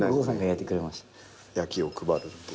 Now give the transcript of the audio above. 焼きを配るっていう。